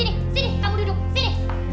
ini sini kamu duduk sini